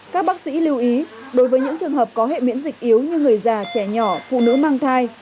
các bác sĩ lưu ý đối với những trường hợp có hệ miễn dịch yếu như người già trẻ nhỏ phụ nữ mang thai